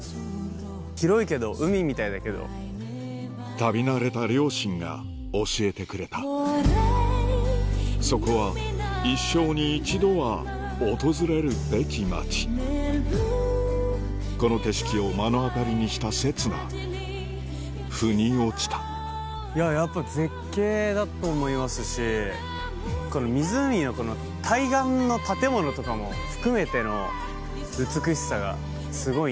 旅慣れた両親が教えてくれたそこは一生に一度は訪れるべき街この景色を目の当たりにした刹那腑に落ちたやっぱ絶景だと思いますしこの湖の対岸の建物とかも含めての美しさがすごいんで。